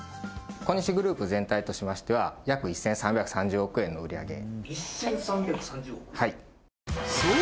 コニシグループ全体としましては約１３３０億円の売り上げそう！